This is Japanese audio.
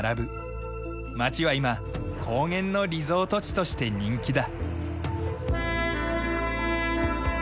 町は今高原のリゾート地として人気だ。